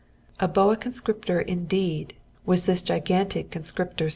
A boa conscriptor indeed, was this gigantic conscriptor serpent!